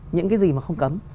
những cái gì mà không cấm